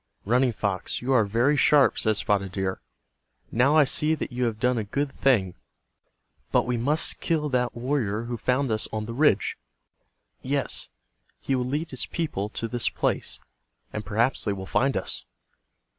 "Running Fox, you are very sharp," said Spotted Deer. "Now I see that you have done a good thing. But we must kill that warrior who found us on the ridge. Yes, he will lead his people to this place, and perhaps they will find us."